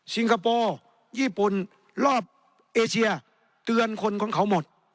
คโปร์ญี่ปุ่นรอบเอเชียเตือนคนของเขาหมด